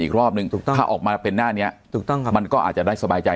อีกรอบนึงถ้าออกมาเป็นหน้านี้ถูกต้องครับมันก็อาจจะได้สบายใจ